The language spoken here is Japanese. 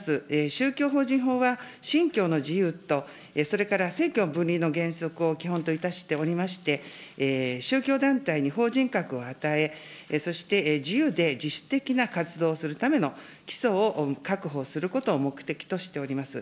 宗教法人法は信教の自由と、それから政教分離の原則を基本といたしておりまして、宗教団体に法人格を与え、そして自由で自主的な活動をするための基礎を確保することを目的としております。